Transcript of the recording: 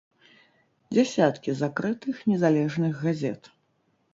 Дзесяткі закрытых незалежных газет.